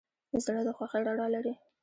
زړه د خوښۍ رڼا لري.